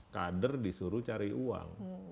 kader disuruh cari uang